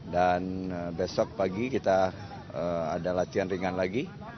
besok pagi kita ada latihan ringan lagi